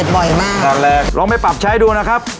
เพราะว่าตรงเนี้ยอุบัติเหตุบ่อยมากตอนแรกลองไปปรับใช้ดูนะครับ